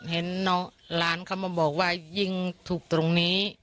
เห็นหลานเขามาบอกว่ายิงถูกตรงนี้